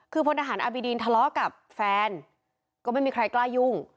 คือพลทหารอบิดีนทะเลาะกับแฟนก็ไม่มีใครกล้ายุ่ง